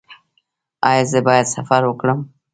ایا زه باید سفر وکړم؟